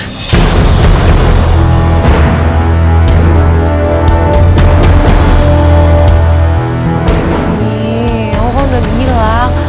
nih kamu kan udah bilang